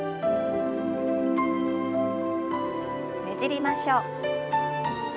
ねじりましょう。